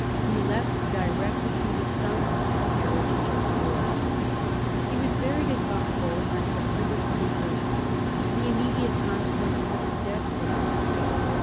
He left directly to his son a heritage of war. He was buried at Barbeaux on September 21. The immediate consequences of his death were but slight.